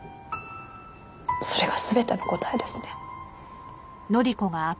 それが全ての答えですね。